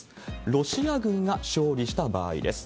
ロシア軍が勝利した場合です。